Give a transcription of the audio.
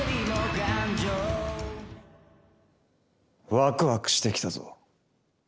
ワクワクしてきたぞ。